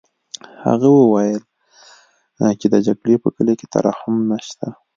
هغه وویل چې د جګړې په کلي کې ترحم نشته